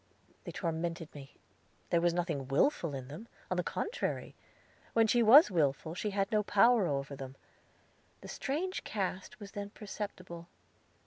They tormented me. There was nothing willful in them; on the contrary, when she was willful, she had no power over them; the strange cast was then perceptible.